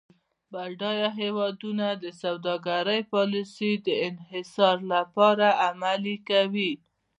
بډایه هیوادونه د سوداګرۍ پالیسي د انحصار لپاره عملي کوي.